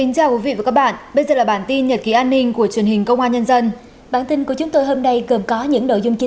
cảm ơn các bạn đã theo dõi